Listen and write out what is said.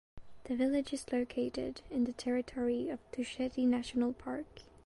The village is located in the territory of Tusheti National Park.